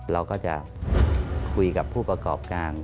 เราก็จะคุยกับผู้ประกอบการ